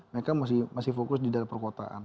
mereka masih fokus di daerah perkotaan